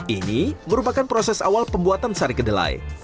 ini merupakan proses awal pembuatan sari kedelai